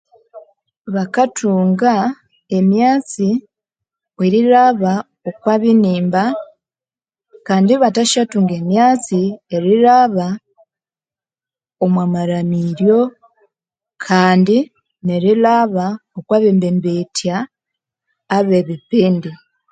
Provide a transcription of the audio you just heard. Bathunga emyatsi kwerilhaba okwa binimba kandi ibasathathunga emyatsi erilhaba omwa malhamiryo kandi nerilhaba okwa bambembethya abe bipindi